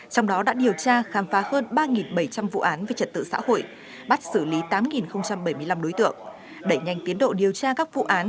trong đó đã điều tra khám phá hơn ba bảy trăm linh vụ án về trật tự xã hội bắt xử lý tám bảy mươi năm đối tượng đẩy nhanh tiến độ điều tra các vụ án